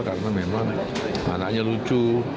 karena memang anaknya lucu